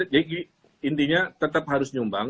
jadi intinya tetap harus nyumbang